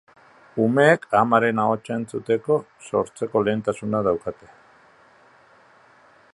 Umeek amaren ahotsa entzuteko sortzetiko lehentasuna daukate.